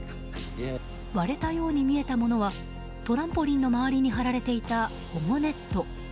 割れたように見えたものはトランポリンの周りに張られていた、保護ネット。